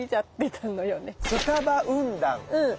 うん。